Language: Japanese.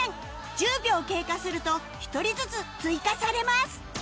１０秒経過すると１人ずつ追加されます